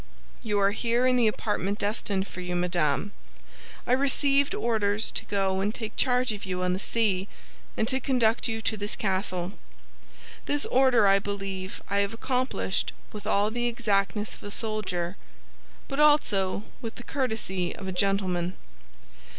"You are here in the apartment destined for you, madame. I received orders to go and take charge of you on the sea, and to conduct you to this castle. This order I believe I have accomplished with all the exactness of a soldier, but also with the courtesy of a gentleman.